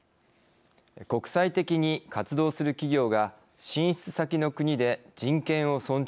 国際的に活動する企業が進出先の国で人権を尊重しているか。